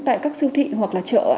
tại các siêu thị hoặc là chợ